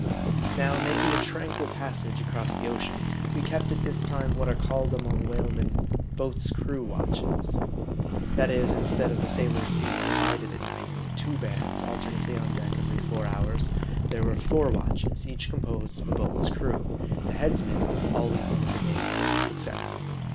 Now, making a tranquil passage across the ocean, we kept at this time what are called among whalemen " boats crew watches." That is, instead of the sailors being di vided at night into two bands, alternately on deck every four hours, there were four watches, each composed of a boat's crew, the " headsman" (always one of the mates) ex cepted.